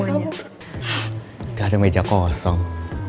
udah ada meja kosong